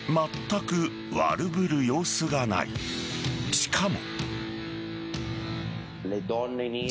しかも。